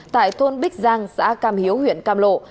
tại thôn bích giang xã cam hiếu huyện cam lộ